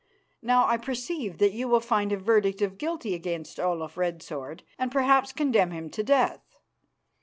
Now I perceive that you will find a verdict of 'guilty' against Olaf Red Sword, and perhaps condemn him to death.